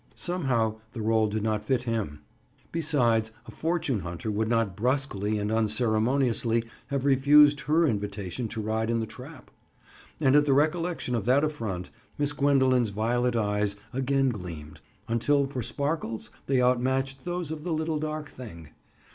— Somehow the role did not fit him. Besides, a fortune hunter would not bruskly and unceremoniously have refused her invitation to ride in the trap. And at the recollection of that affront, Miss Gwendoline's violet eyes again gleamed, until for sparkles they out matched those of the little dark thing.